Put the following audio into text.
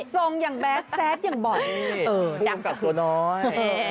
ทรงอย่างแบบแซสอย่างบ่อยฟูกับตัวน้อย